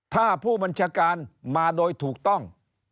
ถ้าผู้บัญชาการมาโดยถูกต้อง